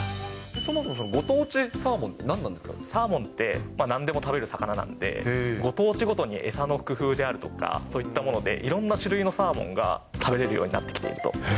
そもそもご当地サーモンってサーモンって、なんでも食べる魚なんで、ご当地ごとに餌の工夫であるとか、そういったもので、いろんな種類のサーモンが食べれるようになってきていると。